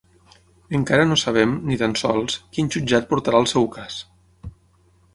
Encara no sabem, ni tan sols, quin jutjat portarà el seu cas.